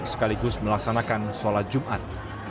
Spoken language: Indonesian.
sekaligus melaksanakan sholat jumat